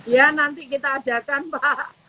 ya nanti kita adakan pak